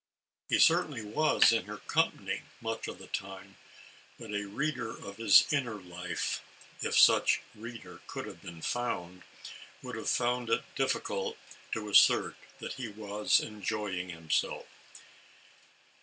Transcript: He certainly was in her company much of the time, but a reader of his inner life, if such a reader could have been found, would have found it difficult to assert that he was enjoying him self.